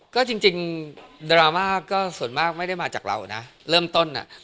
ก็จริงดราม่าก็ส่วนมากไม่ได้มาจากเรานะเริ่มต้นอ่ะ